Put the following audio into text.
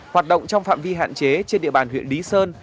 hoạt động trong phạm vi hạn chế trên địa bàn huyện lý sơn